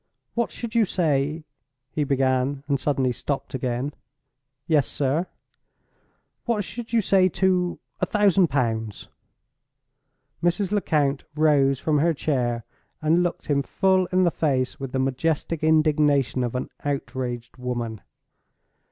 "What should you say—?" he began, and suddenly stopped again. "Yes, sir?" "What should you say to—a thousand pounds?" Mrs. Lecount rose from her chair, and looked him full in the face, with the majestic indignation of an outraged woman.